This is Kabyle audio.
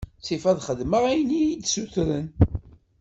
Ttif ad xedmeɣ ayen iyi-d-ssutren.